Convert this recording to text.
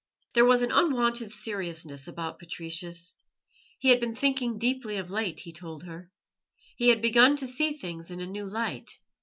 There was an unwonted seriousness about Patricius. He had been thinking deeply of late, he told her. He had begun to see things in a new light.